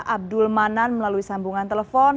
abdul manan melalui sambungan telepon